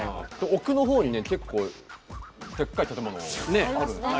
奥の方にね結構でっかい建物あるんですね。